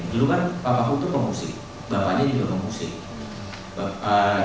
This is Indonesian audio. dulu kan bapakku itu pemusik bapaknya juga pemusik